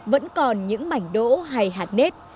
vẫn còn những bảnh đỗ hay hạt nếp